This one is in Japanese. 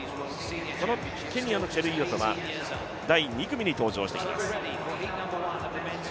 そのケニアのチェルイヨトが第２組に登場してきます。